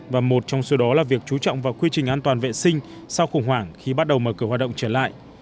và một trong số đó là việc chú trọng vào quy trình an toàn vệ sinh sau khủng hoảng khi bắt đầu mở cửa hoạt động trở lại